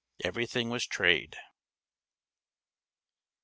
Everything was trade. Mrs.